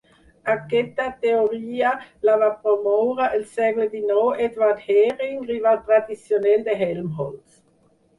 Aquesta teoria la va promoure el segle dinou Ewald Hering, rival tradicional de Helmholtz.